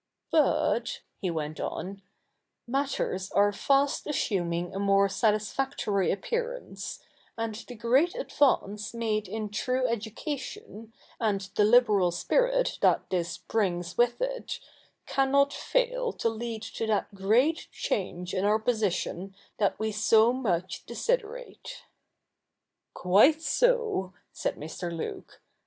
' But,' he went on, ' matters are fast assuming a more satisfactory appearance ; and the great advance made in true education, and the liberal spirit that this brings with it, cannot fail to lead to that great change in our position that we so much desiderate.' 'Quite so,' said Mr. Luke.